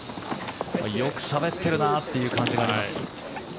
よくしゃべっているなっていう感じがあります。